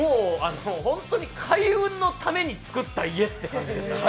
本当に開運のために造った家って感じです。